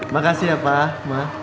makasih ya pak ma